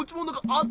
あっ！